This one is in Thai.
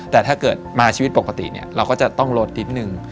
แต่ถ้าเกิดมาชีวิตปกติเราก็จะต้องลดนิดนึง